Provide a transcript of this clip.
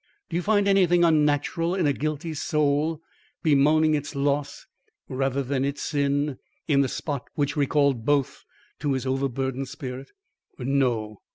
Do you find anything unnatural in a guilty soul bemoaning its loss rather than its sin, in the spot which recalled both to his overburdened spirit?" "No."